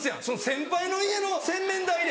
先輩の家の洗面台で。